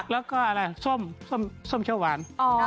แล้วก็อาร์กมาซอมเข้าหวาน